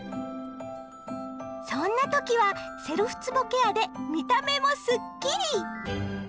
そんな時はセルフつぼケアで見た目もスッキリ！